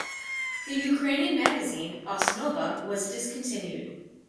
The Ukrainian magazine "Osnova" was discontinued.